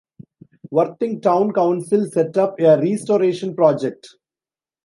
Worthing Town Council set up a restoration project.